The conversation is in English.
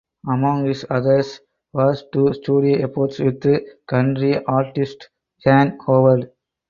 Among his others was two studio efforts with country artist Jan Howard.